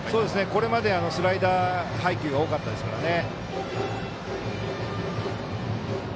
これまでスライダー配球が多かったですからね。